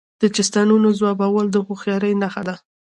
د چیستانونو ځوابول د هوښیارۍ نښه ده.